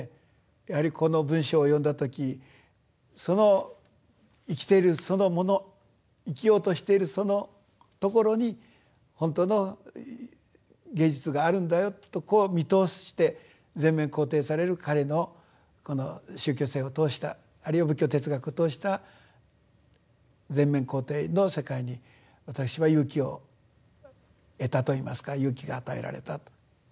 やはりこの文章を読んだ時その生きているそのもの生きようとしているそのところに本当の芸術があるんだよとこう見通して全面肯定される彼のこの宗教性を通したあるいは仏教哲学を通した全面肯定の世界に私は勇気を得たといいますか勇気が与えられたと。